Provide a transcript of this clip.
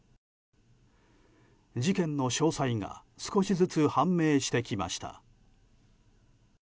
事件の詳細が少しずつ判明してきました。